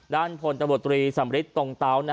ด้านผลตบลตรีสำธิษฐ์ตรงเต๊า